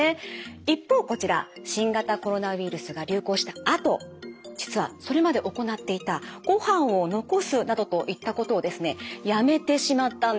一方こちら新型コロナウイルスが流行したあと実はそれまで行っていたご飯を残すなどといったことをですねやめてしまったんです。